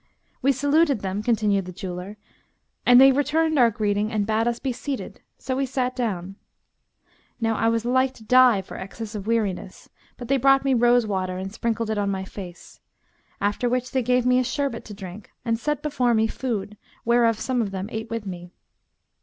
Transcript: We saluted them" (continued the jeweller) "and they returned our greeting and bade us be seated; so we sat down. Now I was like to die for excess of weariness; but they brought me rose water and sprinkled it on my face; after which they gave me a sherbet to drink and set before me food whereof some of them ate with me.